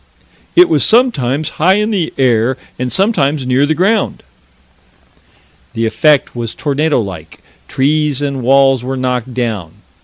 "It was sometimes high in the air and sometimes near the ground." The effect was tornado like: trees and walls were knocked down.